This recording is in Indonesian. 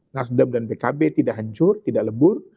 nasdem dan pkb tidak hancur tidak lebur